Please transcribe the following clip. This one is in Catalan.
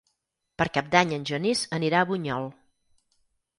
Per Cap d'Any en Genís anirà a Bunyol.